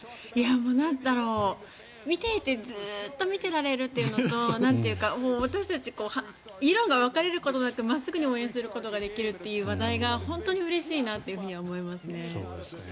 なんだろう、見ていてずっと見てられるというのと私たち意見が分かれることもなく真っすぐに応援することができるという話題があることが本当にうれしく思います。